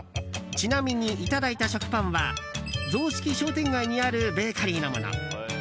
ちなみにいただいた食パンは雑色商店街にあるベーカリーのもの。